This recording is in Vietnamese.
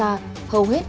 hầu hết có nguyên liệu